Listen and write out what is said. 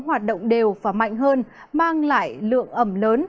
hoạt động đều và mạnh hơn mang lại lượng ẩm lớn